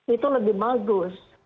itu lebih bagus